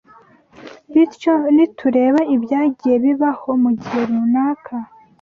bityo nitureba ibyagiye bibaho mu gihe runaka